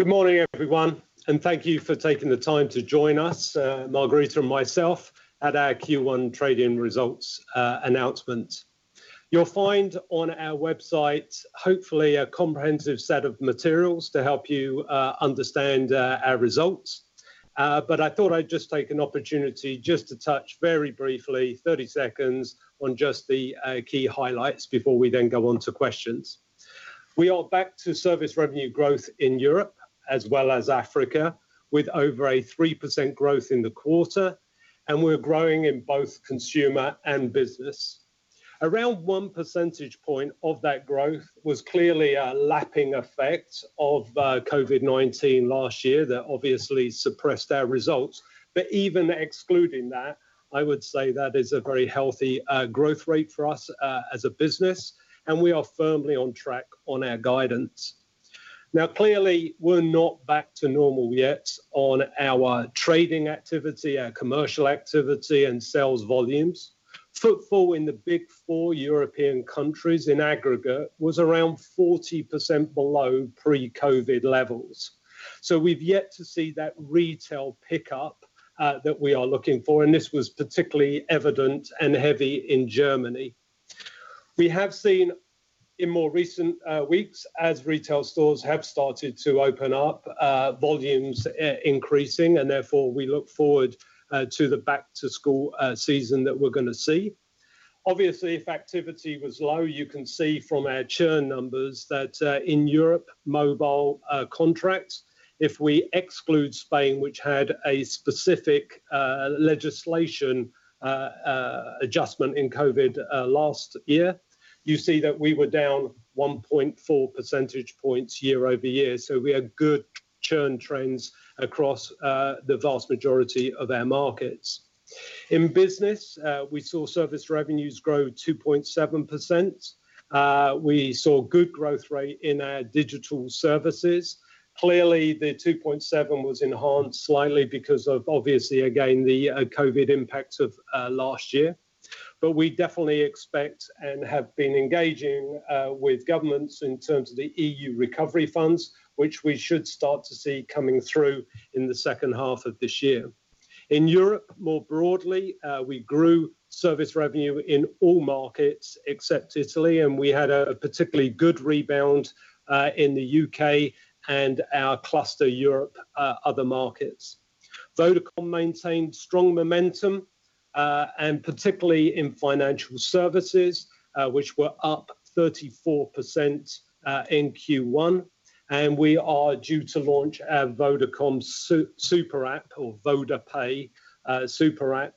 Good morning, everyone, and thank you for taking the time to join us, Margherita and myself, at our Q1 trading results announcement. You'll find on our website hopefully a comprehensive set of materials to help you understand our results. I thought I'd just take an opportunity just to touch very briefly, 30 seconds, on just the key highlights before we then go on to questions. We are back to service revenue growth in Europe as well as Africa, with over a 3% growth in the quarter, and we're growing in both consumer and business. Around 1 percentage point of that growth was clearly a lapping effect of COVID-19 last year that obviously suppressed our results. Even excluding that, I would say that is a very healthy growth rate for us as a business, and we are firmly on track on our guidance. Clearly, we're not back to normal yet on our trading activity, our commercial activity, and sales volumes. Footfall in the big four European countries in aggregate was around 40% below pre-COVID levels. We've yet to see that retail pickup that we are looking for, and this was particularly evident and heavy in Germany. We have seen in more recent weeks, as retail stores have started to open up, volumes increasing, and therefore, we look forward to the back-to-school season that we're going to see. Obviously, if activity was low, you can see from our churn numbers that in Europe mobile contracts, if we exclude Spain, which had a specific legislation adjustment in COVID last year, you see that we were down 1.4 percentage points year-over-year. We had good churn trends across the vast majority of our markets. In business, we saw service revenues grow 2.7%. We saw good growth rate in our digital services. Clearly, the 2.7 was enhanced slightly because of obviously, again, the COVID-19 impact of last year. We definitely expect and have been engaging with governments in terms of the EU recovery fund, which we should start to see coming through in the second half of this year. In Europe, more broadly, we grew service revenue in all markets except Italy, and we had a particularly good rebound in the U.K. and our cluster Europe other markets. Vodafone maintained strong momentum, and particularly in financial services, which were up 34% in Q1. We are due to launch our Vodafone super app, or VodaPay super app,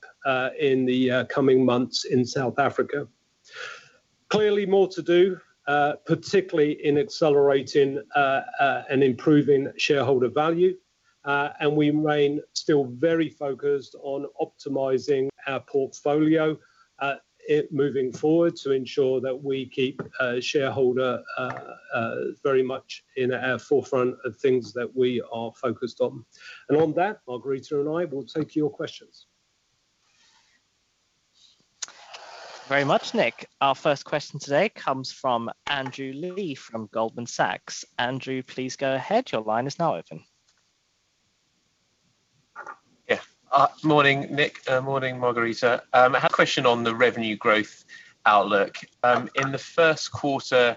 in the coming months in South Africa. Clearly more to do, particularly in accelerating and improving shareholder value. We remain still very focused on optimizing our portfolio moving forward to ensure that we keep shareholder very much in our forefront of things that we are focused on. On that, Margherita and I will take your questions. Thank you very much, Nick. Our first question today comes from Andrew Lee from Goldman Sachs. Andrew, please go ahead. Morning, Nick. Morning, Margherita. I had a question on the revenue growth outlook. In the first quarter,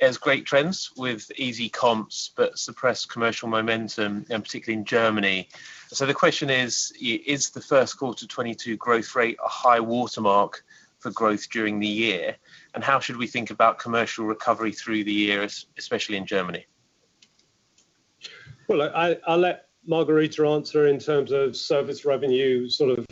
there's great trends with easy comps but suppressed commercial momentum, particularly in Germany. The question is: Is the first quarter 2022 growth rate a high watermark for growth during the year? How should we think about commercial recovery through the year, especially in Germany? Well, I'll let Margherita answer in terms of service revenue sort of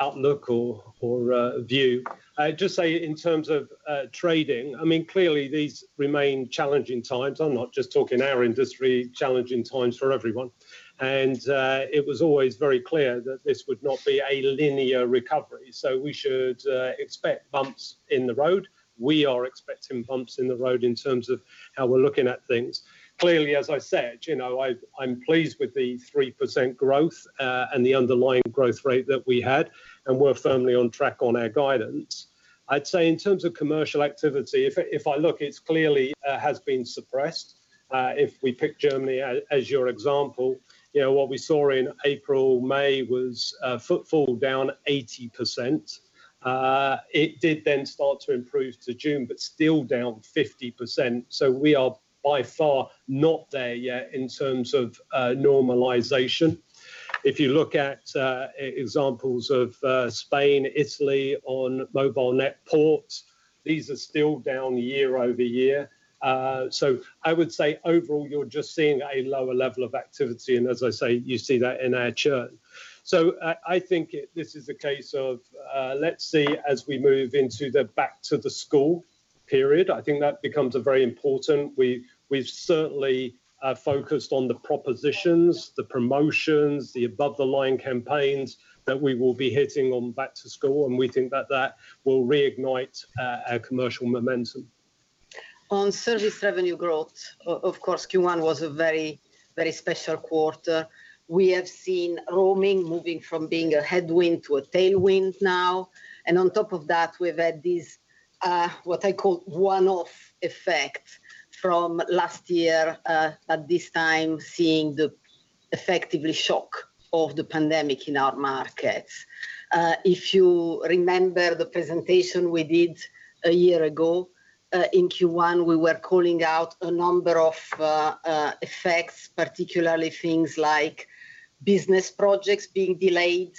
outlook or view. I'd just say in terms of trading, clearly these remain challenging times. I'm not just talking our industry, challenging times for everyone. It was always very clear that this would not be a linear recovery, so we should expect bumps in the road. We are expecting bumps in the road in terms of how we're looking at things. Clearly, as I said, I'm pleased with the 3% growth, and the underlying growth rate that we had, and we're firmly on track on our guidance. I'd say in terms of commercial activity, if I look, it clearly has been suppressed. If we pick Germany as your example, what we saw in April, May was footfall down 80%. It did start to improve to June, still down 50%, we are by far not there yet in terms of normalization. If you look at examples of Spain, Italy on mobile net ports, these are still down year-over-year. I would say overall, you're just seeing a lower level of activity, and as I say, you see that in our churn. I think this is a case of let's see as we move into the back to the school period. I think that becomes very important. We've certainly focused on the propositions, the promotions, the above-the-line campaigns that we will be hitting on back to school, and we think that that will reignite our commercial momentum. On service revenue growth, of course, Q1 was a very special quarter. We have seen roaming moving from being a headwind to a tailwind now. On top of that, we've had these, what I call one-off effects from one year ago at this time, seeing the effective shock of the pandemic in our markets. If you remember the presentation we did one year ago, in Q1, we were calling out a number of effects, particularly things like business projects being delayed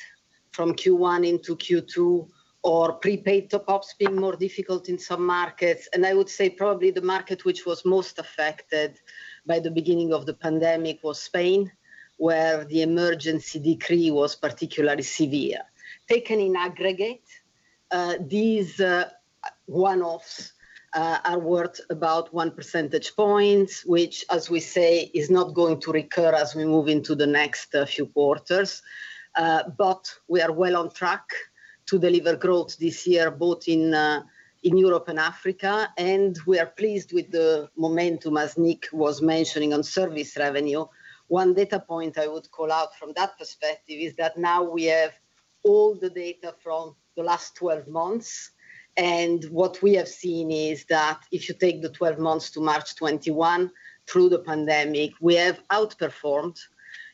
from Q1 into Q2, or prepaid top-ups being more difficult in some markets. I would say probably the market which was most affected by the beginning of the pandemic was Spain, where the emergency decree was particularly severe. Taken in aggregate, these one-offs are worth about 1 percentage point, which, as we say, is not going to recur as we move into the next few quarters. We are well on track to deliver growth this year, both in Europe and Africa. We are pleased with the momentum, as Nick was mentioning, on service revenue. One data point I would call out from that perspective is that now we have all the data from the last 12 months. What we have seen is that if you take the 12 months to March 2021 through the pandemic, we have outperformed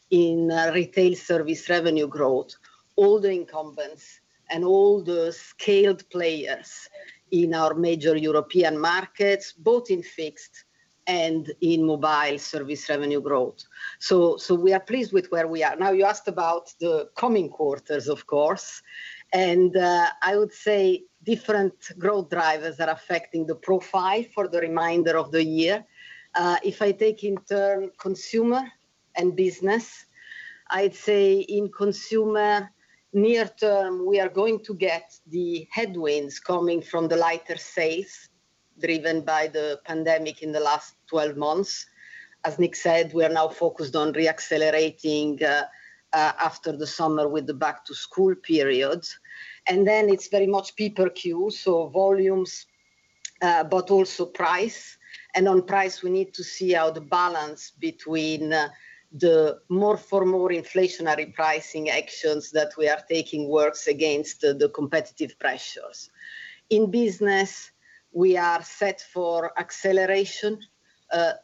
in retail service revenue growth all the incumbents and all the scaled players in our major European markets, both in fixed and in mobile service revenue growth. We are pleased with where we are. Now you asked about the coming quarters, of course, and I would say different growth drivers are affecting the profile for the remainder of the year. If I take in turn consumer and business, I'd say in consumer near term, we are going to get the headwinds coming from the lighter sales driven by the pandemic in the last 12 months. As Nick said, we are now focused on re-accelerating after the summer with the back-to-school period. Then it's very much people cue, so volumes, but also price. On price, we need to see how the balance between the more for more inflationary pricing actions that we are taking works against the competitive pressures. In business, we are set for acceleration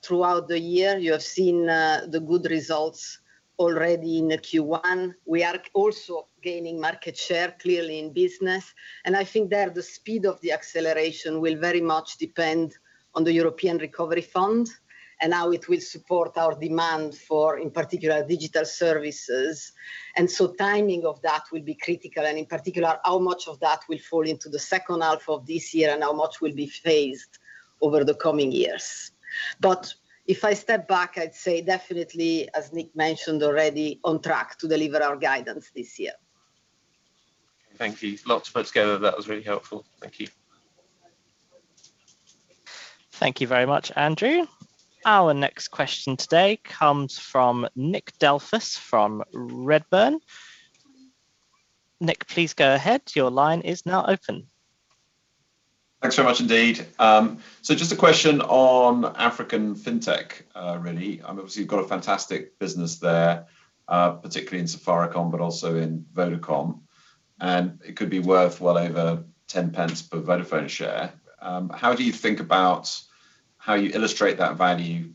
throughout the year. You have seen the good results already in Q1. We are also gaining market share clearly in business, and I think there the speed of the acceleration will very much depend on the European recovery fund and how it will support our demand for, in particular, digital services. Timing of that will be critical and in particular, how much of that will fall into the second half of this year and how much will be phased over the coming years. If I step back, I'd say definitely, as Nick mentioned already, on track to deliver our guidance this year. Thank you. Lots put together. That was really helpful. Thank you. Thank you very much, Andrew. Our next question today comes from Nick Delfas from Redburn. Nick, please go ahead. Your line is now open. Thanks very much indeed. Just a question on African fintech, really. Obviously, you've got a fantastic business there, particularly in Safaricom, but also in Vodacom, and it could be worth well over 0.10 per Vodafone share. How do you think about how you illustrate that value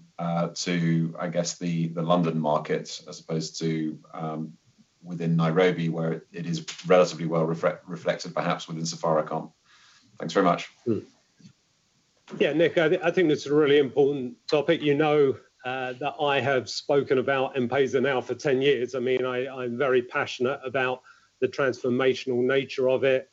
to, I guess, the London market as opposed to within Nairobi where it is relatively well reflected perhaps within Safaricom? Thanks very much. Nick, I think that's a really important topic. You know that I have spoken about M-PESA now for 10 years. I'm very passionate about the transformational nature of it.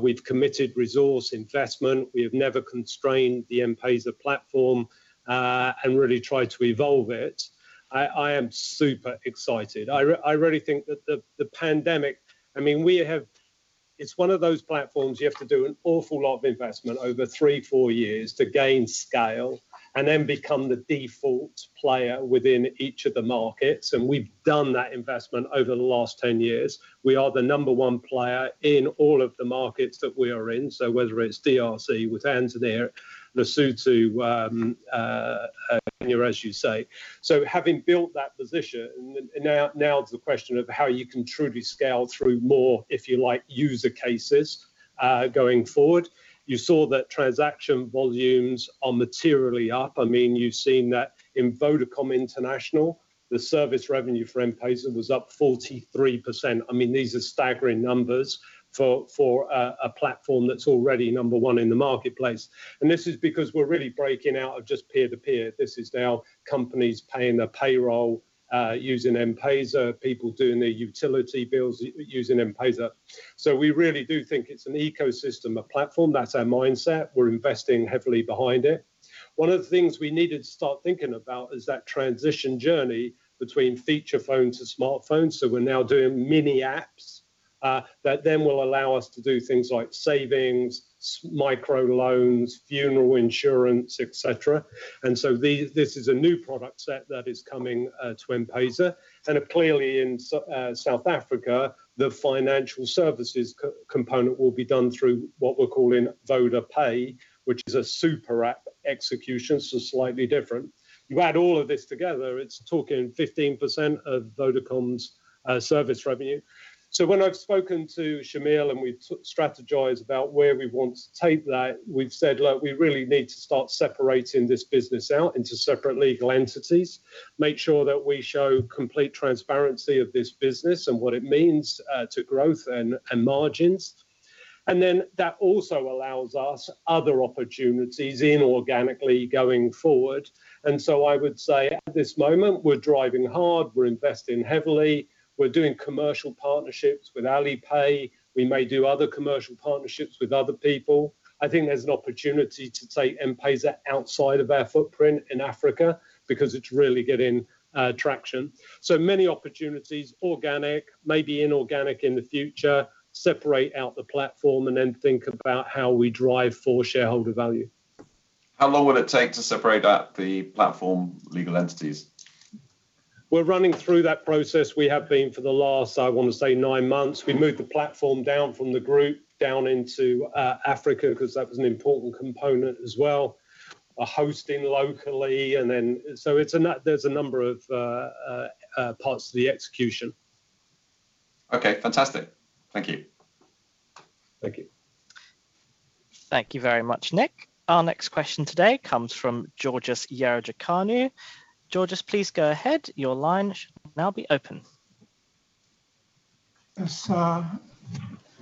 We've committed resource investment. We have never constrained the M-PESA platform, and really tried to evolve it. I am super excited. I really think that the pandemic, it's one of those platforms you have to do an awful lot of investment over three, four years to gain scale and then become the default player within each of the markets. We've done that investment over the last 10 years. We are the number one player in all of the markets that we are in. Whether it's DRC with [Hans] there, Lesotho, Kenya, as you say. Having built that position, now it's the question of how you can truly scale through more, if you like, user cases going forward. You saw that transaction volumes are materially up. You've seen that in Vodacom International, the service revenue for M-PESA was up 43%. These are staggering numbers for a platform that's already number one in the marketplace. This is because we're really breaking out of just peer-to-peer. This is now companies paying their payroll using M-PESA, people doing their utility bills using M-PESA. We really do think it's an ecosystem, a platform. That's our mindset. We're investing heavily behind it. One of the things we needed to start thinking about is that transition journey between feature phones and smartphones. We're now doing mini apps that will allow us to do things like savings, micro loans, funeral insurance, etc. This is a new product set that is coming to M-PESA. Clearly in South Africa, the financial services component will be done through what we're calling VodaPay, which is a super app execution, so slightly different. You add all of this together, it's talking 15% of Vodacom's service revenue. When I've spoken to Shameel, and we strategize about where we want to take that, we've said, "Look, we really need to start separating this business out into separate legal entities, make sure that we show complete transparency of this business and what it means to growth and margins." That also allows us other opportunities inorganically going forward. I would say at this moment, we're driving hard, we're investing heavily, we're doing commercial partnerships with Alipay. We may do other commercial partnerships with other people. I think there's an opportunity to take M-PESA outside of our footprint in Africa because it's really getting traction. Many opportunities, organic, maybe inorganic in the future, separate out the platform, and then think about how we drive for shareholder value. How long will it take to separate out the platform legal entities? We're running through that process. We have been for the last, I want to say, nine months. We moved the platform down from the group down into Africa because that was an important component as well, are hosting locally. There's a number of parts to the execution. Okay, fantastic. Thank you. Thank you. Thank you very much, Nick. Our next question today comes from Georgios Ierodiaconou. Georgios, please go ahead. Your line should now be open. Yes, sir.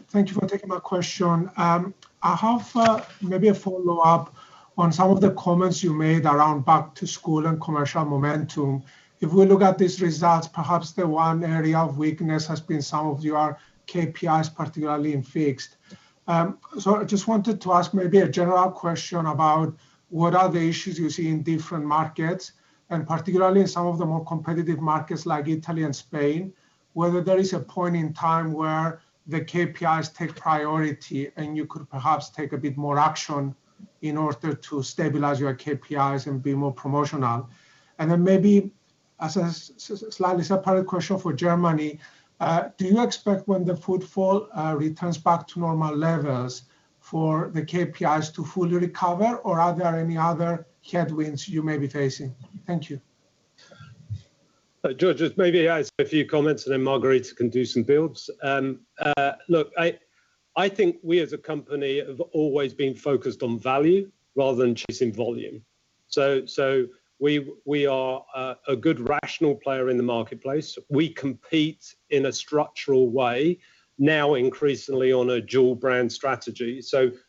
Thank you for taking my question. I have maybe a follow-up on some of the comments you made around back to school and commercial momentum. If we look at these results, perhaps the one area of weakness has been some of your KPIs, particularly in fixed. I just wanted to ask maybe a general question about what are the issues you see in different markets, and particularly in some of the more competitive markets like Italy and Spain, whether there is a point in time where the KPIs take priority and you could perhaps take a bit more action in order to stabilize your KPIs and be more promotional. Maybe as a slightly separate question for Germany, do you expect when the footfall returns back to normal levels for the KPIs to fully recover? Or are there any other headwinds you may be facing? Thank you. Georgios, maybe I say a few comments, and then Margherita can do some builds. Look, I think we as a company have always been focused on value rather than chasing volume. We are a good rational player in the marketplace. We compete in a structural way, now increasingly on a dual brand strategy.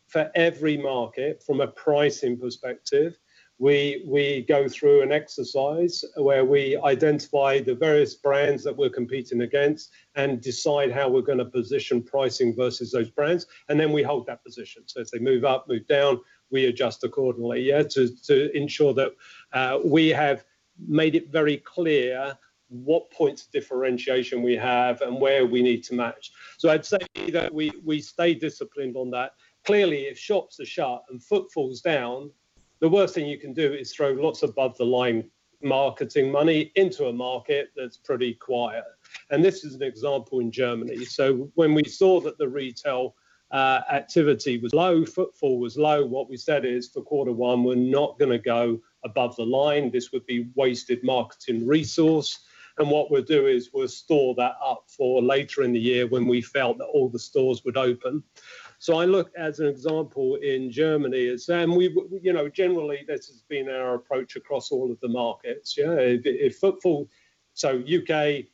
For every market from a pricing perspective, we go through an exercise where we identify the various brands that we're competing against and decide how we're going to position pricing versus those brands, and then we hold that position. As they move up, move down, we adjust accordingly to ensure that we have made it very clear what points of differentiation we have and where we need to match. I'd say that we stay disciplined on that. Clearly, if shops are shut and footfall's down, the worst thing you can do is throw lots above-the-line marketing money into a market that's pretty quiet. This is an example in Germany. When we saw that the retail activity was low, footfall was low, what we said is for quarter one, we're not going to go above the line. This would be wasted marketing resource. What we'll do is we'll store that up for later in the year when we felt that all the stores would open. I look as an example in Germany, and generally this has been our approach across all of the markets. U.K.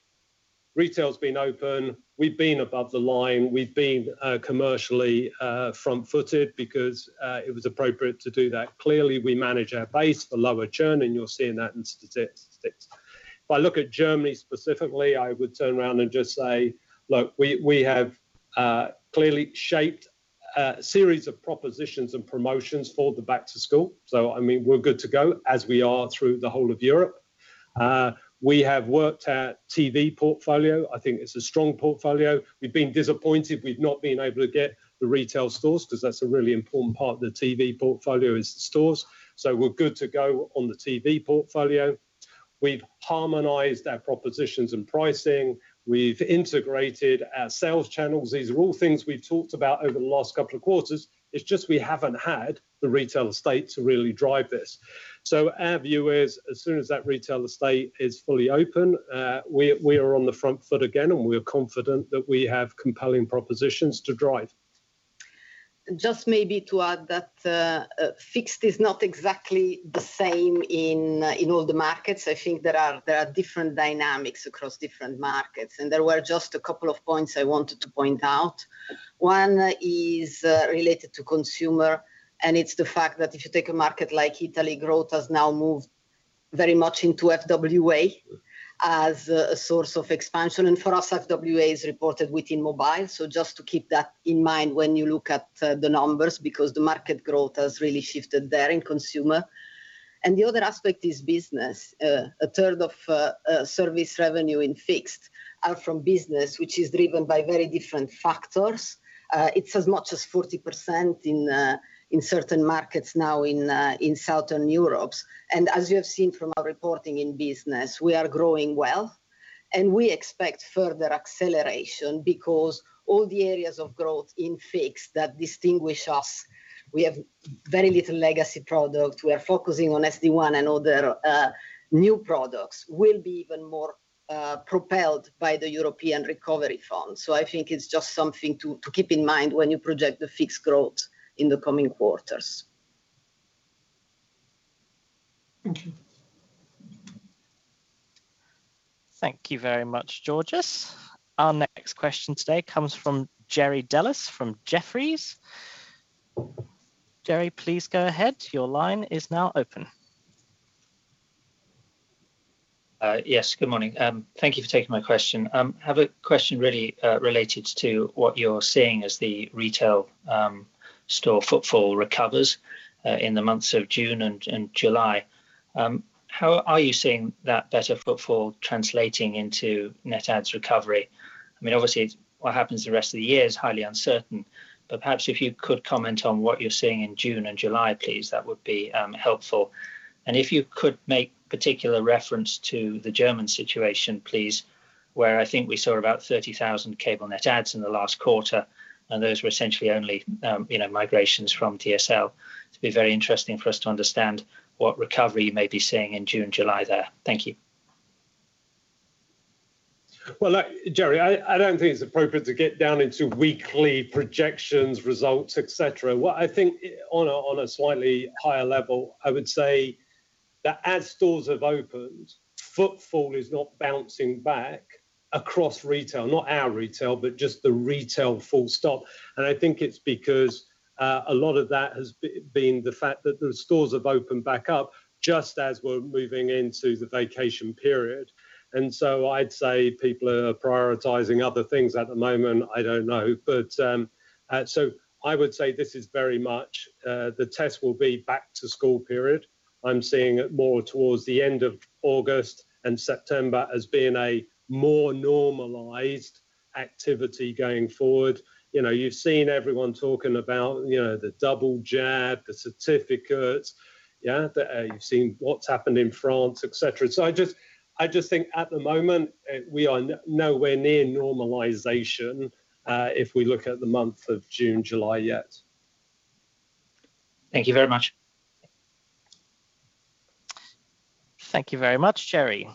retail's been open. We've been above the line. We've been commercially front-footed because it was appropriate to do that. Clearly, we manage our base for lower churn, and you're seeing that in statistics. If I look at Germany specifically, I would turn around and just say, look, we have clearly shaped a series of propositions and promotions for the back to school. We're good to go as we are through the whole of Europe. We have worked our TV portfolio. I think it's a strong portfolio. We've been disappointed we've not been able to get the retail stores because that's a really important part of the TV portfolio is the stores. We're good to go on the TV portfolio. We've harmonized our propositions and pricing. We've integrated our sales channels. These are all things we've talked about over the last couple of quarters. It's just we haven't had the retail estate to really drive this. Our view is as soon as that retail estate is fully open, we are on the front foot again, and we are confident that we have compelling propositions to drive. Just maybe to add that fixed is not exactly the same in all the markets. I think there are different dynamics across different markets. There were just a couple of points I wanted to point out. One is related to consumer. It's the fact that if you take a market like Italy, growth has now moved very much into FWA as a source of expansion. For us, FWA is reported within mobile, so just to keep that in mind when you look at the numbers because the market growth has really shifted there in consumer. The other aspect is business. A third of service revenue in fixed are from business, which is driven by very different factors. It's as much as 40% in certain markets now in Southern Europe. As you have seen from our reporting in business, we are growing well, and we expect further acceleration because all the areas of growth in Fixed that distinguish us, we have very little legacy product. We are focusing on SD-WAN and other new products will be even more propelled by the European recovery fund. I think it is just something to keep in mind when you project the Fixed growth in the coming quarters. Thank you. Thank you very much, Georgios. Our next question today comes from Jerry Dellis from Jefferies. Jerry, please go ahead. Your line is now open. Yes, good morning. Thank you for taking my question. I have a question really related to what you're seeing as the retail store footfall recovers in the months of June and July. How are you seeing that better footfall translating into net adds recovery? I mean, obviously, what happens the rest of the year is highly uncertain, but perhaps if you could comment on what you're seeing in June and July, please, that would be helpful. If you could make particular reference to the German situation, please, where I think we saw about 30,000 cable net adds in the last quarter, and those were essentially only migrations from DSL. It'd be very interesting for us to understand what recovery you may be seeing in June, July there. Thank you. Well, look, Jerry, I don't think it's appropriate to get down into weekly projections, results, et cetera. What I think on a slightly higher level, I would say that as stores have opened, footfall is not bouncing back across retail, not our retail, but just the retail full stop. I think it's because a lot of that has been the fact that the stores have opened back up just as we're moving into the vacation period. I'd say people are prioritizing other things at the moment. I don't know. I would say this is very much the test will be back to school period. I'm seeing it more towards the end of August and September as being a more normalized activity going forward. You've seen everyone talking about the double jab, the certificates, yeah. You've seen what's happened in France, et cetera. I just think at the moment, we are nowhere near normalization if we look at the month of June, July yet. Thank you very much. Thank you very much, Jerry.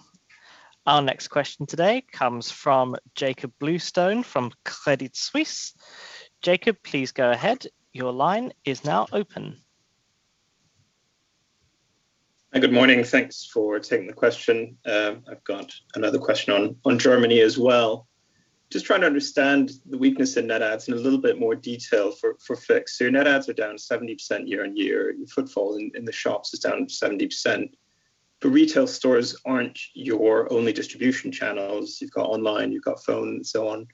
Our next question today comes from Jakob Bluestone from Credit Suisse. Jakob, please go ahead. Good morning. Thanks for taking the question. I've got another question on Germany as well. Just trying to understand the weakness in net adds in a little bit more detail for Fixed. Your net adds are down 70% year on year. Footfall in the shops is down 70%. Retail stores aren't your only distribution channels. You've got online, you've got phone and so on.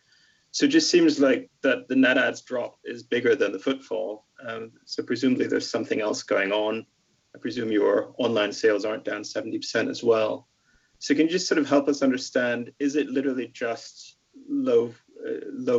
Just seems like that the net adds drop is bigger than the footfall. Presumably there's something else going on. I presume your online sales aren't down 70% as well. Can you just help us understand, is it literally just low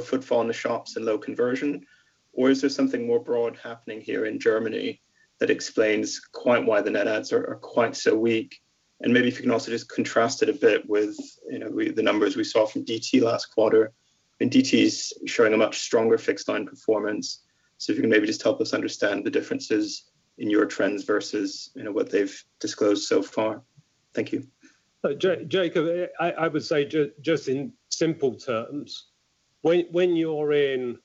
footfall in the shops and low conversion, or is there something more broad happening here in Germany that explains quite why the net adds are quite so weak? Maybe if you can also just contrast it a bit with the numbers we saw from DT last quarter. DT is showing a much stronger fixed line performance. If you can maybe just help us understand the differences in your trends versus what they've disclosed so far. Thank you. Jakob, I would say just in simple terms, when you are in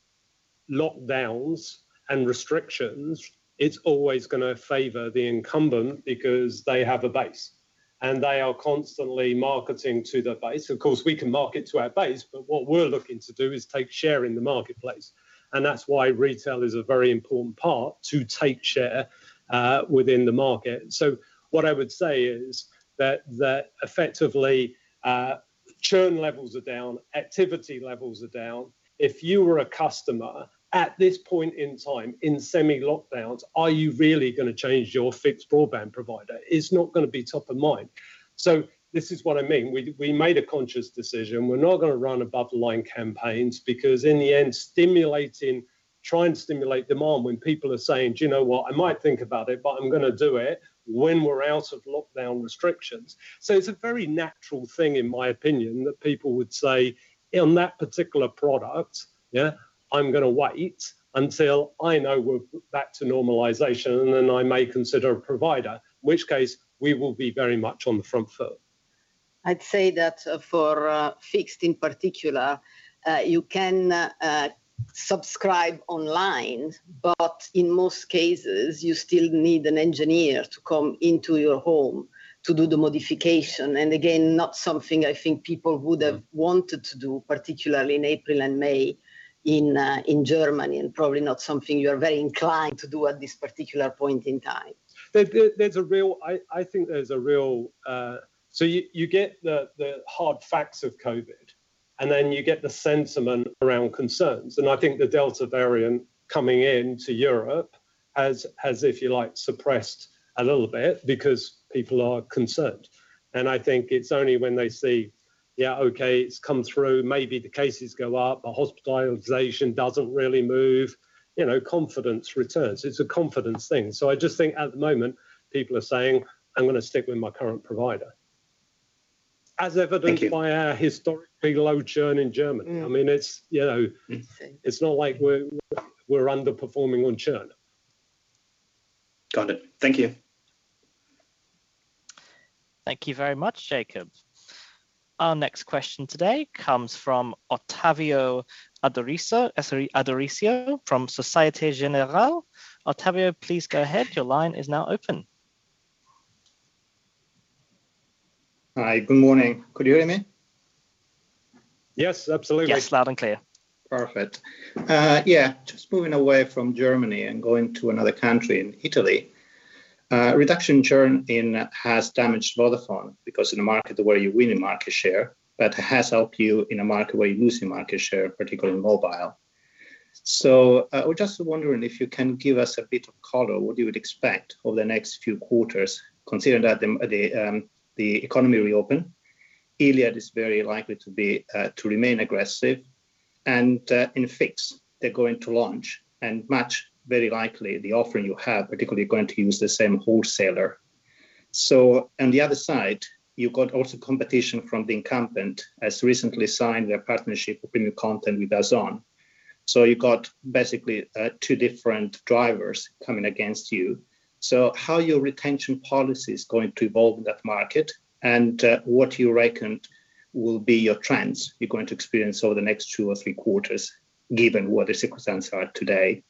lockdowns and restrictions, it is always going to favor the incumbent because they have a base. They are constantly marketing to the base. Of course, we can market to our base, what we are looking to do is take share in the marketplace. That is why retail is a very important part to take share within the market. What I would say is that effectively churn levels are down, activity levels are down. If you were a customer at this point in time in semi-lockdowns, are you really going to change your fixed broadband provider? It is not going to be top of mind. This is what I mean. We made a conscious decision. We're not going to run above the line campaigns because in the end, try and stimulate demand when people are saying, "Do you know what? I might think about it, but I'm going to do it when we're out of lockdown restrictions." It's a very natural thing, in my opinion, that people would say on that particular product, yeah, I'm going to wait until I know we're back to normalization, and then I may consider a provider, in which case we will be very much on the front foot. I'd say that for Fixed in particular, you can subscribe online, but in most cases, you still need an engineer to come into your home to do the modification. Again, not something I think people would have wanted to do, particularly in April and May in Germany, and probably not something you're very inclined to do at this particular point in time. You get the hard facts of COVID. Then you get the sentiment around concerns. I think the Delta variant coming into Europe has, if you like, suppressed a little bit because people are concerned. I think it's only when they see, yeah, okay, it's come through, maybe the cases go up, the hospitalization doesn't really move, confidence returns. It's a confidence thing. I just think at the moment, people are saying, "I'm going to stick with my current provider." As evidenced- Thank you. -by our historically low churn in Germany. It's not like we're underperforming on churn. Got it. Thank you. Thank you very much, Jakob. Our next question today comes from Ottavio Adorisio from Societe Generale. Ottavio, please go ahead. Your line is now open. Hi. Good morning. Could you hear me? Yes, absolutely. Yes, loud and clear. Perfect. Moving away from Germany and going to another country, in Italy. Reduction churn has damaged Vodafone because in a market where you win in market share, but has helped you in a market where you lose in market share, particularly mobile. I was just wondering if you can give us a bit of color what you would expect over the next few quarters, considering that the economy reopen. Iliad is very likely to remain aggressive. In fixed, they're going to launch and match very likely the offering you have, particularly going to use the same wholesaler. On the other side, you've got also competition from the incumbent, has recently signed their partnership opening content with Amazon. You've got basically two different drivers coming against you. How your retention policy is going to evolve in that market and what you reckon will be your trends you're going to experience over the next two or three quarters, given what the circumstances are today.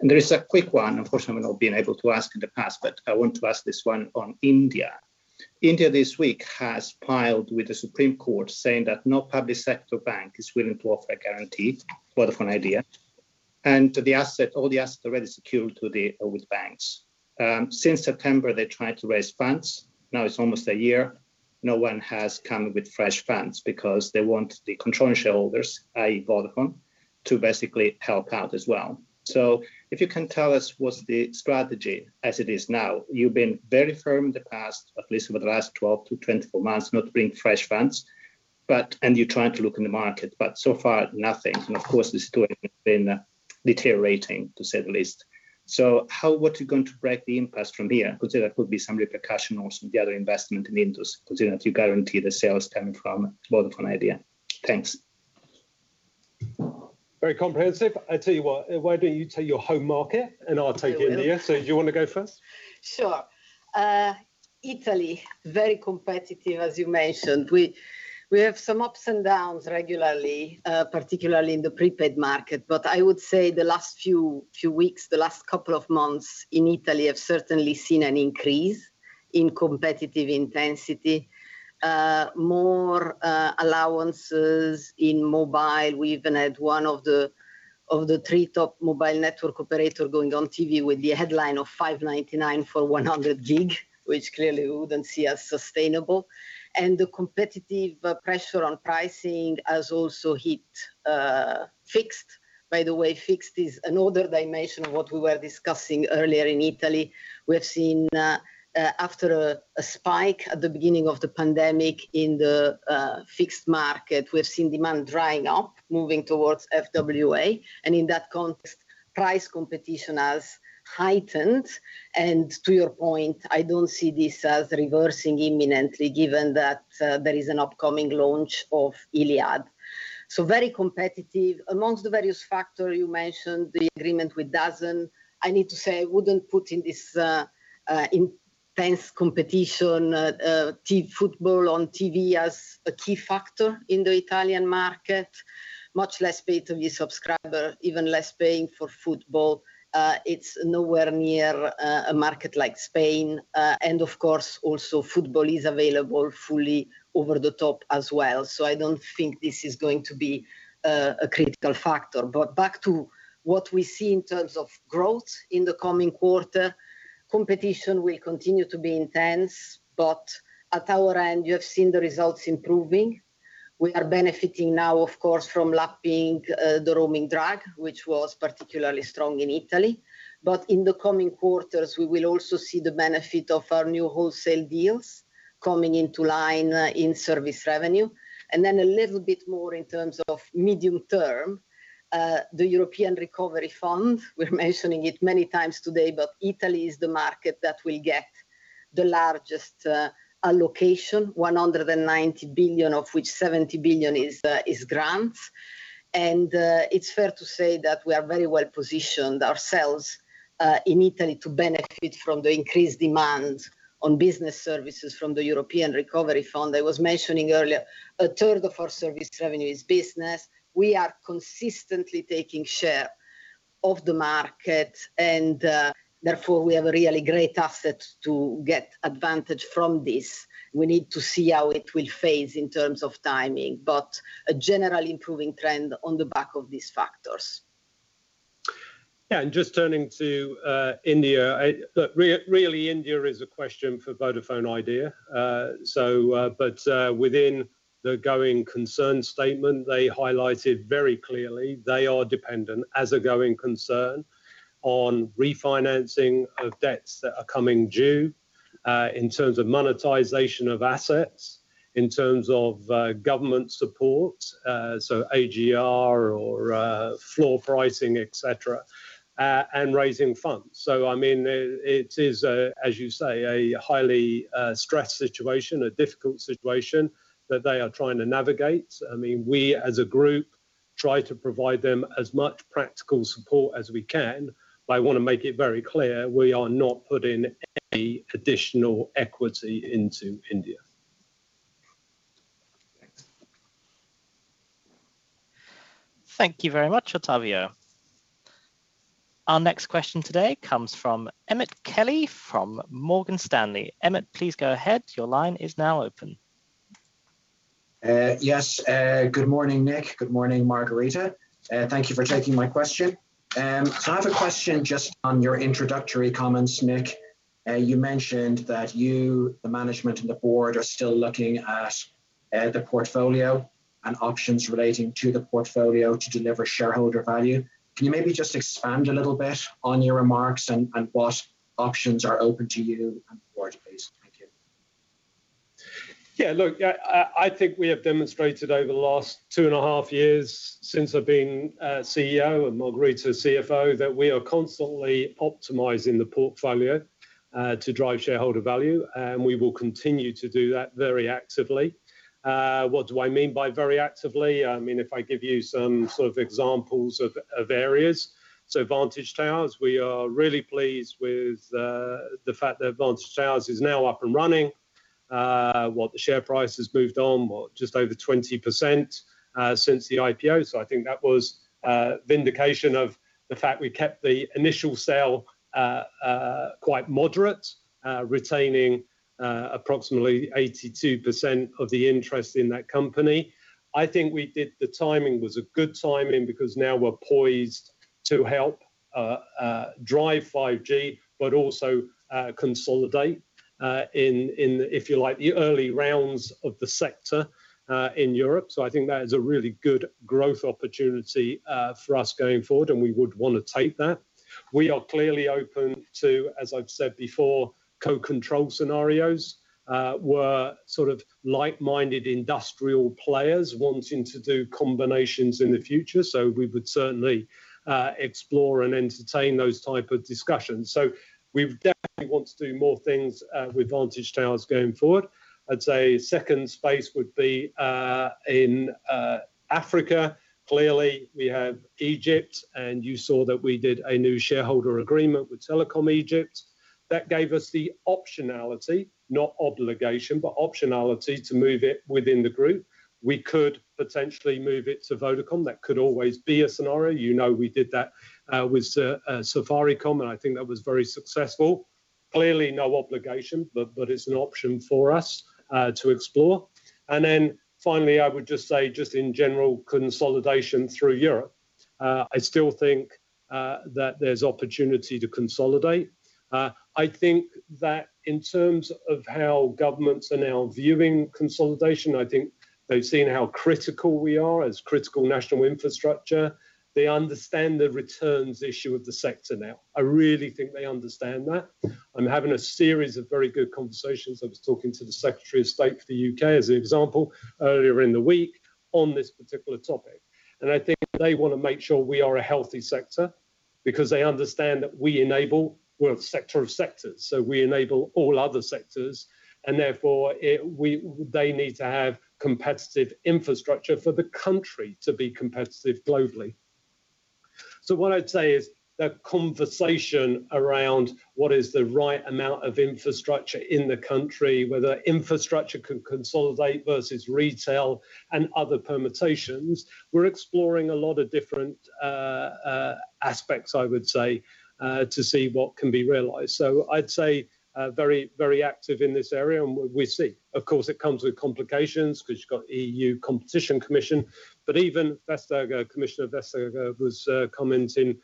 There is a quick one, unfortunately, I've not been able to ask in the past, but I want to ask this one on India. India this week has filed with the Supreme Court saying that no public sector bank is willing to offer a guarantee, Vodafone Idea. All the assets already secured with banks. Since September, they tried to raise funds. Now it's almost a year, no one has come with fresh funds because they want the controlling shareholders, i.e. Vodafone, to basically help out as well. If you can tell us what's the strategy as it is now. You've been very firm in the past, at least for the last 12-24 months, not to bring fresh funds, and you're trying to look in the market, but so far nothing. Of course, the story has been deteriorating, to say the least. What are you going to break the impasse from here? Considering there could be some repercussions on the other investment in Indus, considering that you guarantee the sales coming from Vodafone Idea. Thanks. Very comprehensive. I tell you what, why don't you take your home market, and I'll take India. I will. Do you want to go first? Sure. Italy, very competitive, as you mentioned. We have some ups and downs regularly, particularly in the prepaid market. I would say the last few weeks, the last couple of months in Italy have certainly seen an increase in competitive intensity. More allowances in mobile. We even had one of the three top mobile network operator going on TV with the headline of 599 for 100 GB, which clearly we wouldn't see as sustainable. The competitive pressure on pricing has also hit fixed. By the way, fixed is another dimension of what we were discussing earlier in Italy. We have seen after a spike at the beginning of the pandemic in the fixed market, we've seen demand drying up, moving towards FWA. In that context, price competition has heightened. To your point, I don't see this as reversing imminently given that there is an upcoming launch of Iliad. Very competitive. Amongst the various factors you mentioned, the agreement with DAZN. I need to say I wouldn't put in this intense competition football on TV as a key factor in the Italian market. Much less pay-TV subscribers, even less paying for football. It's nowhere near a market like Spain. Of course, also football is available fully over the top as well. I don't think this is going to be a critical factor. Back to what we see in terms of growth in the coming quarter. Competition will continue to be intense, but at our end, you have seen the results improving. We are benefiting now, of course, from lapping the roaming drag, which was particularly strong in Italy. In the coming quarters, we will also see the benefit of our new wholesale deals coming into line in service revenue. A little bit more in terms of medium term. The European recovery fund, we are mentioning it many times today, Italy is the market that will get the largest allocation, 190 billion of which 70 billion is grants. It's fair to say that we are very well positioned ourselves in Italy to benefit from the increased demand on business services from the European recovery fund. I was mentioning earlier, a third of our service revenue is business. We are consistently taking share of the market, and therefore, we have a really great asset to get advantage from this. We need to see how it will phase in terms of timing, a general improving trend on the back of these factors. Just turning to India, really India is a question for Vodafone Idea. Within the going concern statement, they highlighted very clearly they are dependent as a going concern on refinancing of debts that are coming due in terms of monetization of assets, in terms of government support, AGR or floor pricing, et cetera, and raising funds. It is, as you say, a highly stressed situation, a difficult situation that they are trying to navigate. We, as a group, try to provide them as much practical support as we can, but I want to make it very clear, we are not putting any additional equity into India. Thanks. Thank you very much, Ottavio. Our next question today comes from Emmet Kelly from Morgan Stanley. Emmet, please go ahead. Your line is now open. Yes. Good morning, Nick. Good morning, Margherita. Thank you for taking my question. I have a question just on your introductory comments, Nick. You mentioned that you, the management, and the board are still looking at the portfolio and options relating to the portfolio to deliver shareholder value. Can you maybe just expand a little bit on your remarks and what options are open to you and the board, please? Thank you. Look, I think we have demonstrated over the last two and a half years since I've been CEO and Margherita, CFO, that we are constantly optimizing the portfolio to drive shareholder value, and we will continue to do that very actively. What do I mean by very actively? I mean, if I give you some sort of examples of areas. Vantage Towers, we are really pleased with the fact that Vantage Towers is now up and running. The share price has moved on just over 20% since the IPO. I think that was a vindication of the fact we kept the initial sale quite moderate, retaining approximately 82% of the interest in that company. I think we did the timing was a good timing because now we're poised to help drive 5G, but also consolidate in, if you like, the early rounds of the sector in Europe. I think that is a really good growth opportunity for us going forward, and we would want to take that. We are clearly open to, as I've said before, co-control scenarios. We're like-minded industrial players wanting to do combinations in the future, we would certainly explore and entertain those type of discussions. We definitely want to do more things with Vantage Towers going forward. I'd say second space would be in Africa. Clearly we have Egypt, and you saw that we did a new shareholder agreement with Telecom Egypt. That gave us the optionality, not obligation, but optionality to move it within the group. We could potentially move it to Vodacom. That could always be a scenario. You know we did that with Safaricom, and I think that was very successful. Clearly no obligation, but it's an option for us to explore. Finally, I would just say just in general consolidation through Europe. I still think that there's opportunity to consolidate. I think that in terms of how governments are now viewing consolidation, I think they've seen how critical we are as critical national infrastructure. They understand the returns issue of the sector now. I really think they understand that. I'm having a series of very good conversations. I was talking to the Secretary of State for the U.K., as an example, earlier in the week on this particular topic. I think they want to make sure we are a healthy sector because they understand that we enable We're a sector of sectors, so we enable all other sectors and therefore they need to have competitive infrastructure for the country to be competitive globally. What I'd say is the conversation around what is the right amount of infrastructure in the country, whether infrastructure could consolidate versus retail and other permutations. We're exploring a lot of different aspects, I would say, to see what can be realized. I'd say very active in this area and we'll see. Of course, it comes with complications because you've got EU Competition Commission. Even Vestager, Commissioner Vestager, was commenting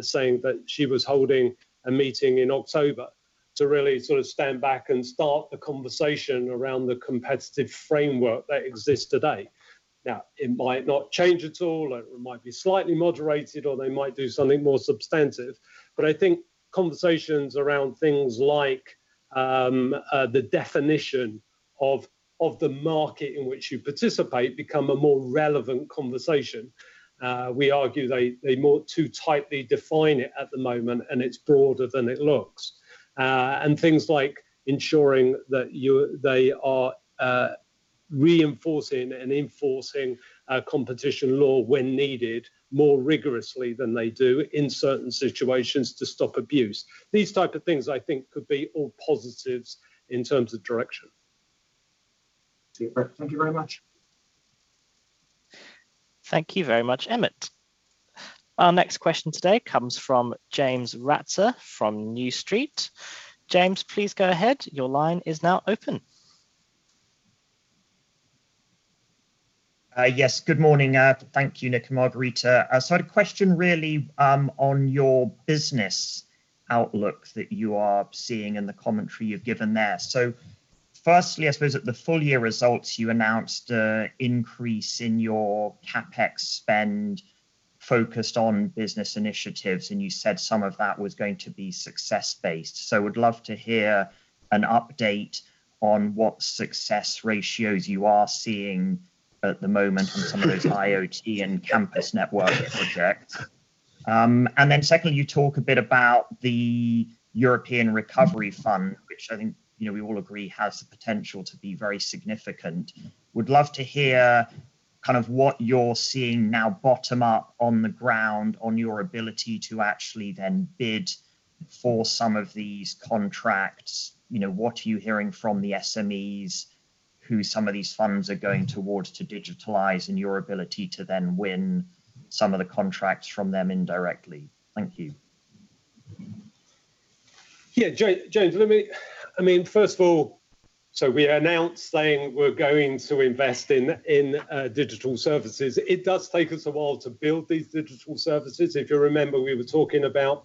saying that she was holding a meeting in October to really stand back and start the conversation around the competitive framework that exists today. It might not change at all, or it might be slightly moderated, or they might do something more substantive, but I think conversations around things like the definition of the market in which you participate become a more relevant conversation. We argue they more too tightly define it at the moment, and it's broader than it looks. Things like ensuring that they are reinforcing and enforcing competition law when needed more rigorously than they do in certain situations to stop abuse. These type of things, I think, could be all positives in terms of direction. Super. Thank you very much. Thank you very much, Emmet. Our next question today comes from James Ratzer from New Street. James, please go ahead. Your line is now open. Yes. Good morning. Thank you, Nick and Margherita. I had a question really on your business outlook that you are seeing in the commentary you've given there. Firstly, I suppose at the full year results, you announced a increase in your CapEx spend focused on business initiatives, and you said some of that was going to be success-based. Would love to hear an update on what success ratios you are seeing at the moment on some of those IoT and campus network projects. Secondly, you talk a bit about the European Recovery Fund, which I think we all agree has the potential to be very significant. Would love to hear what you're seeing now bottom-up on the ground, on your ability to actually then bid for some of these contracts. What are you hearing from the SMEs who some of these funds are going towards to digitalize and your ability to then win some of the contracts from them indirectly? Thank you. Yeah. James, first of all, we announced saying we're going to invest in digital services. It does take us a while to build these digital services. If you remember, we were talking about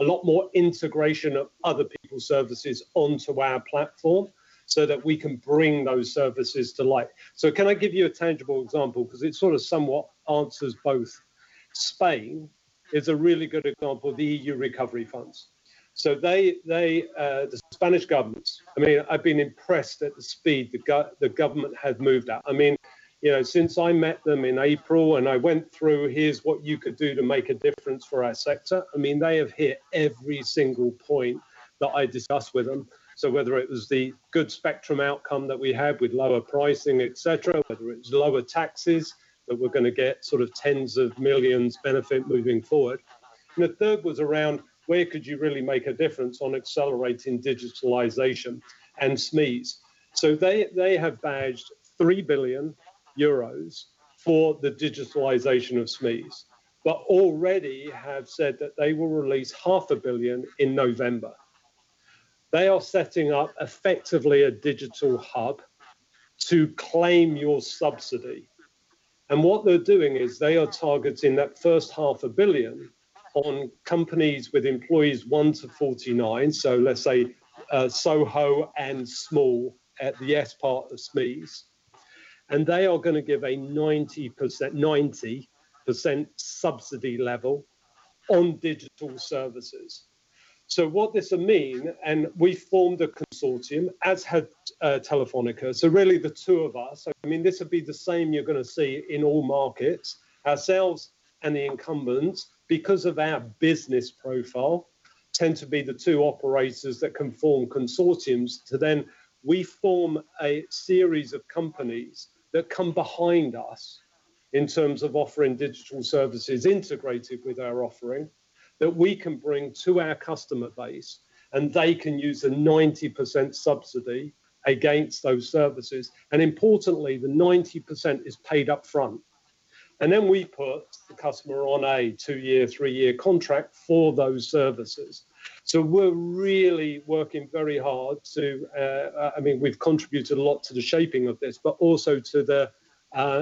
a lot more integration of other people's services onto our platform so that we can bring those services to life. Can I give you a tangible example? Because it somewhat answers both. Spain is a really good example of the EU recovery funds. The Spanish governments, I've been impressed at the speed the government has moved at. Since I met them in April, and I went through, "Here's what you could do to make a difference for our sector," they have hit every single point that I discussed with them. Whether it was the good spectrum outcome that we had with lower pricing, et cetera, whether it's lower taxes, that we're going to get tens of millions benefit moving forward. The third was around where could you really make a difference on accelerating digitalization and SMEs. They have badged 3 billion euros for the digitalization of SMEs, but already have said that they will release half a billion in November. They are setting up effectively a digital hub to claim your subsidy. What they're doing is they are targeting that first half a billion on companies with employees 1 to 49, so let's say SoHo and small at the S part of SMEs. They are going to give a 90% subsidy level on digital services. What this'll mean, and we formed a consortium, as had Telefónica, so really the two of us. This would be the same you're going to see in all markets. Ourselves and the incumbents, because of our business profile, tend to be the two operators that can form consortiums to we form a series of companies that come behind us in terms of offering digital services integrated with our offering, that we can bring to our customer base, and they can use a 90% subsidy against those services. Importantly, the 90% is paid up front. We put the customer on a two-year, three-year contract for those services. We've contributed a lot to the shaping of this, but also to the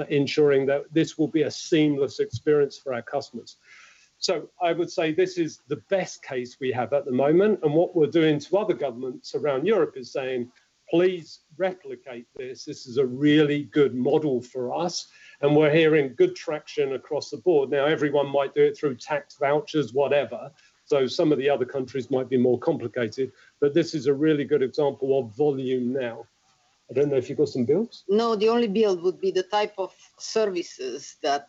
ensuring that this will be a seamless experience for our customers. I would say this is the best case we have at the moment, and what we're doing to other governments around Europe is saying, "Please replicate this. This is a really good model for us." We're hearing good traction across the board. Everyone might do it through tax vouchers, whatever, so some of the other countries might be more complicated, but this is a really good example of volume now. I don't know if you've got some builds? No, the only build would be the type of services that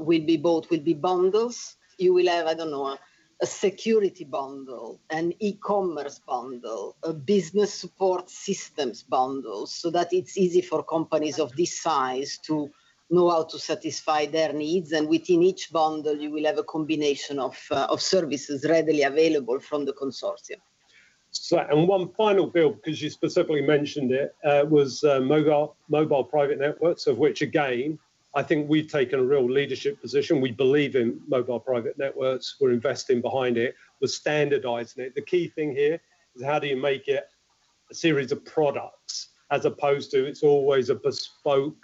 will be bought will be bundles. You will have, I don't know, a security bundle, an e-commerce bundle, a business support systems bundle, so that it's easy for companies of this size to know how to satisfy their needs. Within each bundle, you will have a combination of services readily available from the consortium. One final build, because you specifically mentioned it, was mobile private networks, of which, again, I think we've taken a real leadership position. We believe in mobile private networks. We're investing behind it. We're standardizing it. The key thing here is how do you make it a series of products as opposed to it's always a bespoke,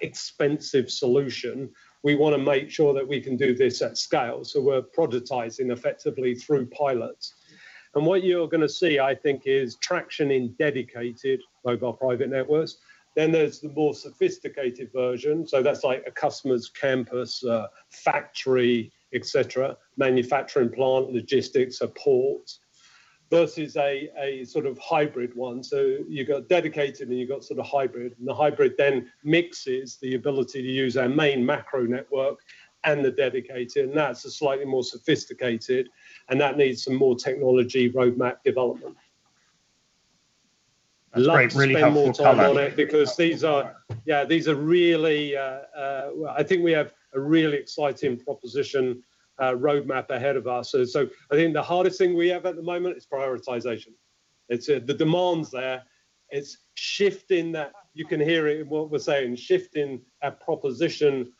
expensive solution. We want to make sure that we can do this at scale. We're prototyping effectively through pilots. What you're going to see, I think, is traction in dedicated mobile private networks. There's the more sophisticated version, so that's like a customer's campus, factory, et cetera, manufacturing plant, logistics, a port, versus a sort of hybrid one. You've got dedicated and you've got sort of hybrid, and the hybrid then mixes the ability to use our main macro network and the dedicated, and that's a slightly more sophisticated, and that needs some more technology roadmap development. That's great. Really helpful color. I'd like to spend more time on it because I think we have a really exciting proposition roadmap ahead of us. I think the hardest thing we have at the moment is prioritization. The demand's there. It's shifting that, you can hear it in what we're saying, shifting our proposition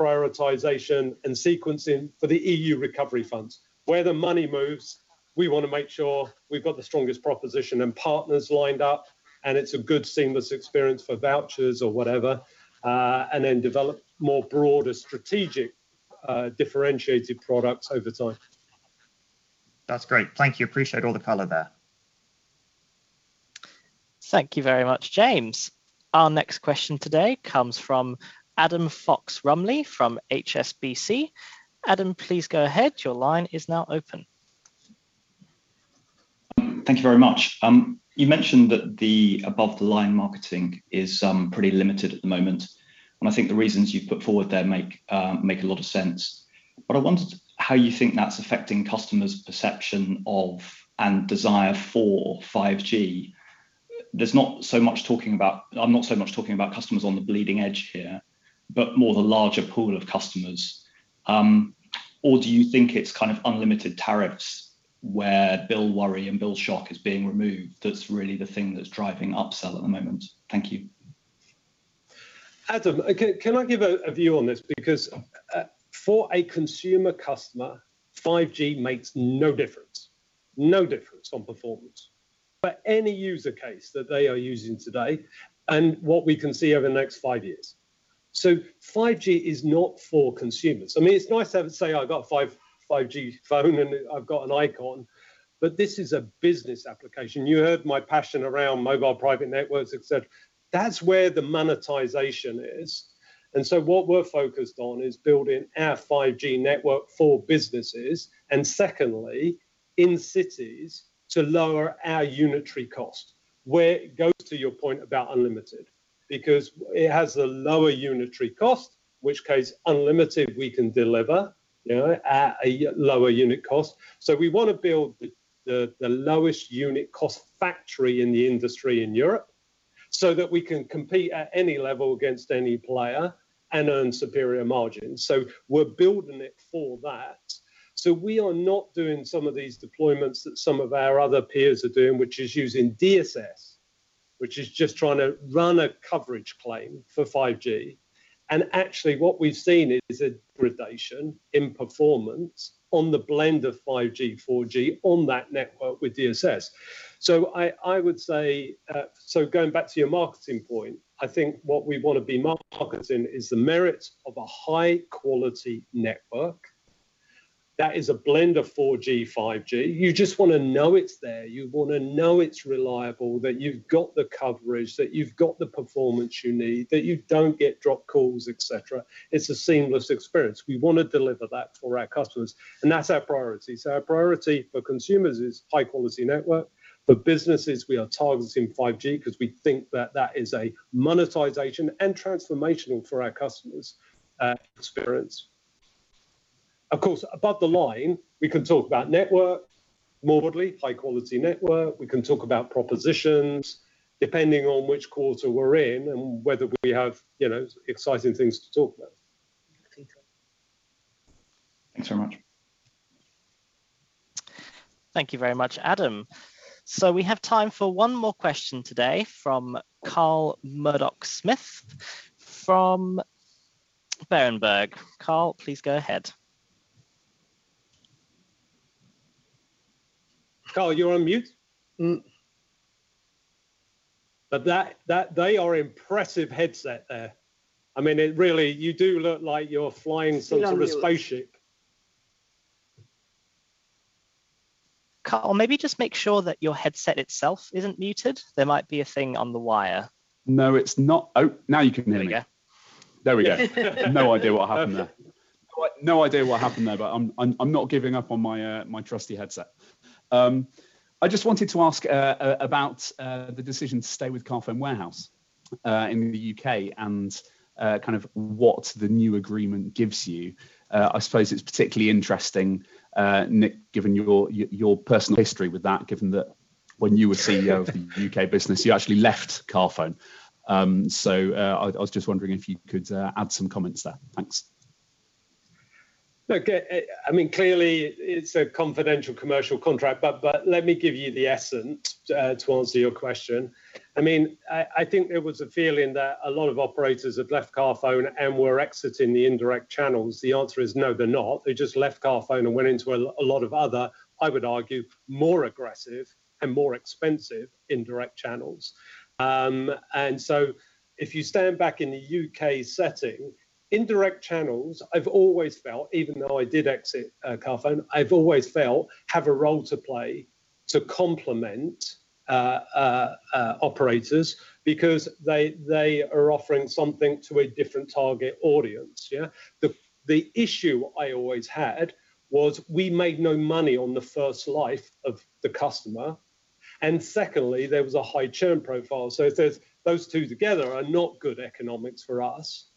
prioritization and sequencing for the EU recovery funds. Where the money moves, we want to make sure we've got the strongest proposition and partners lined up, and it's a good seamless experience for vouchers or whatever. Develop more broader strategic differentiated products over time. That's great. Thank you. Appreciate all the color there. Thank you very much, James. Our next question today comes from Adam Fox-Rumley from HSBC. Adam, please go ahead. Your line is now open. Thank you very much. You mentioned that the above the line marketing is pretty limited at the moment, and I think the reasons you've put forward there make a lot of sense. I wondered how you think that's affecting customers' perception of and desire for 5G. I'm not so much talking about customers on the bleeding edge here, but more the larger pool of customers. Do you think it's kind of unlimited tariffs where bill worry and bill shock is being removed, that's really the thing that's driving upsell at the moment? Thank you. Adam, can I give a view on this? For a consumer customer, 5G makes no difference. No difference on performance for any user case that they are using today and what we can see over the next five years. 5G is not for consumers. It's nice to say I've got 5G phone and I've got an icon, but this is a business application. You heard my passion around mobile private networks, et cetera. That's where the monetization is. What we're focused on is building our 5G network for businesses, and secondly, in cities to lower our unitary cost, where it goes to your point about unlimited. It has a lower unitary cost, which case unlimited we can deliver at a lower unit cost. We want to build the lowest unit cost factory in the industry in Europe so that we can compete at any level against any player and earn superior margins. We're building it for that. We are not doing some of these deployments that some of our other peers are doing, which is using DSS, which is just trying to run a coverage claim for 5G. Actually what we've seen is a degradation in performance on the blend of 5G, 4G on that network with DSS. Going back to your marketing point, I think what we want to be marketing is the merit of a high-quality network that is a blend of 4G, 5G. You just want to know it's there. You want to know it's reliable, that you've got the coverage, that you've got the performance you need, that you don't get dropped calls, et cetera. It's a seamless experience. We want to deliver that for our customers, and that's our priority. Our priority for consumers is high-quality network. For businesses, we are targeting 5G because we think that that is a monetization and transformational for our customers' experience. Of course, above the line, we can talk about network more broadly, high quality network. We can talk about propositions depending on which quarter we're in and whether we have exciting things to talk about. Thanks very much. Thank you very much, Adam. We have time for one more question today from Carl Murdock-Smith from Berenberg. Carl, please go ahead. Carl, you're on mute. They are impressive headset there. Really, you do look like you're flying some sort of a spaceship. Carl, maybe just make sure that your headset itself isn't muted. There might be a thing on the wire. No, it's not. Oh, now you can hear me. Yeah. There we go. No idea what happened there. Perfect. No idea what happened there, but I'm not giving up on my trusty headset. I just wanted to ask about the decision to stay with Carphone Warehouse in the U.K. and what the new agreement gives you. I suppose it's particularly interesting, Nick, given your personal history with that, given that when you were CEO of the U.K. business, you actually left Carphone. I was just wondering if you could add some comments there. Thanks. Look, clearly it's a confidential commercial contract, but let me give you the essence to answer your question. I think there was a feeling that a lot of operators have left Carphone and were exiting the indirect channels. The answer is no, they're not. They just left Carphone and went into a lot of other, I would argue, more aggressive and more expensive indirect channels. If you stand back in the U.K. setting, indirect channels, I've always felt, even though I did exit Carphone, I've always felt have a role to play to complement operators because they are offering something to a different target audience. The issue I always had was we made no money on the first life of the customer, and secondly, there was a high churn profile. Those two together are not good economics for us.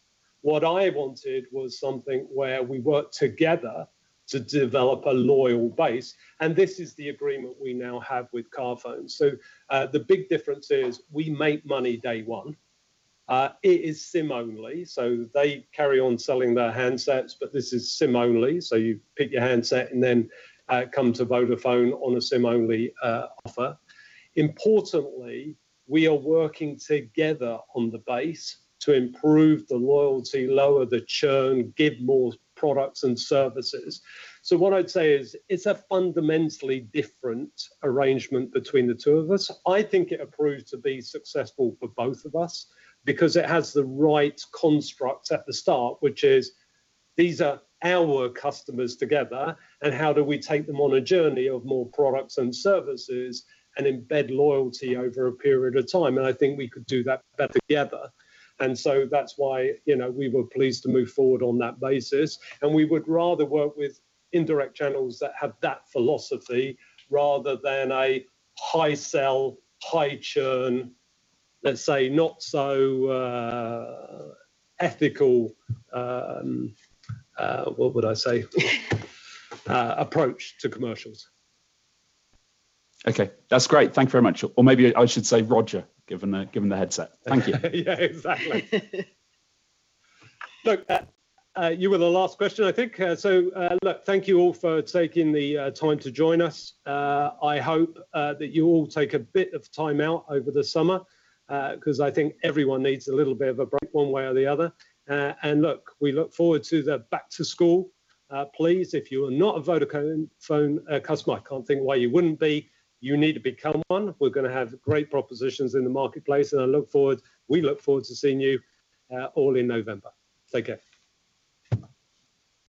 What I wanted was something where we work together to develop a loyal base, and this is the agreement we now have with Carphone. The big difference is we make money day one. It is SIM-only, so they carry on selling their handsets, but this is SIM-only, so you pick your handset and then come to Vodafone on a SIM-only offer. Importantly, we are working together on the base to improve the loyalty, lower the churn, give more products and services. What I'd say is it's a fundamentally different arrangement between the two of us. I think it proves to be successful for both of us because it has the right construct at the start, which is these are our customers together, and how do we take them on a journey of more products and services and embed loyalty over a period of time? I think we could do that better together. That's why we were pleased to move forward on that basis, and we would rather work with indirect channels that have that philosophy rather than a high sell, high churn, let's say not so ethical, what would I say? Approach to commercials. Okay. That's great. Thank you very much. Maybe I should say Roger, given the headset. Thank you. Yeah, exactly. You were the last question, I think. Thank you all for taking the time to join us. I hope that you all take a bit of time out over the summer, because I think everyone needs a little bit of a break one way or the other. We look forward to the back to school. Please, if you are not a Vodafone customer, I can't think why you wouldn't be, you need to become one. We're going to have great propositions in the marketplace, and I look forward, we look forward to seeing you all in November. Take care.